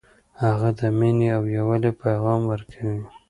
هغه د مینې او یووالي پیغام ورکوي